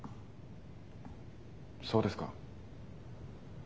そうですか？